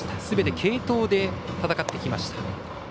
すべて継投で戦ってきました。